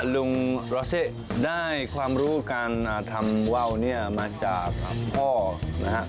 ลุงรอเซได้ความรู้การทำว่าวเนี่ยมาจากพ่อนะฮะ